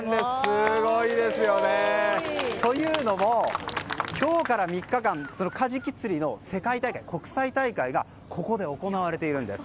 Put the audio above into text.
すごいですよね。というのも今日から３日間カジキ釣りの国際大会がここで行われているんです。